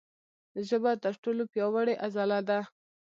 ژبه تر ټولو پیاوړې عضله ده.